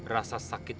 rasa sakit tersebut